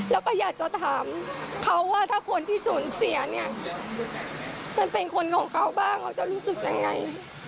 แล้วก็อยากจะถามเขาว่าถ้าคนที่สูญเสียเนี่ยมันเป็นคนของเขาบ้างเขาจะรู้สึกยังไง